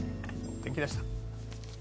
お天気でした。